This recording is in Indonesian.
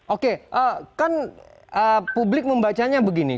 oke kan publik membacanya begini